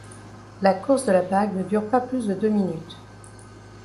La course de la Bague ne dure pas plus de deux minutes.